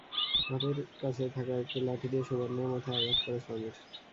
হাতের কাছে থাকা একটি লাঠি দিয়ে সুবর্ণার মাথায় আঘাত করে সামির।